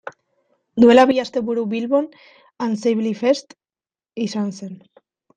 Duela bi asteburu Bilbon AnsibleFest izan zen.